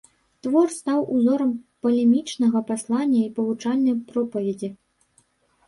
Твор стаў узорам палемічнага паслання і павучальнай пропаведзі.